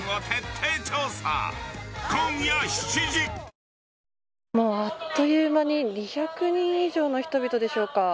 ビオレ泡ハンドソープ」あっという間に２００人以上の人々でしょうか。